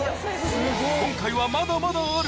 今回はまだまだある！